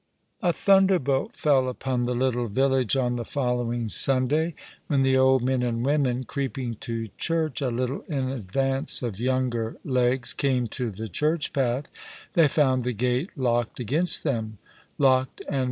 A thunderbolt fell uponftho little village on the following Sunday. "When the old men and women, creeping to church a little in advance of younger legs, came to the church path, they found the gate locked against them, locked and.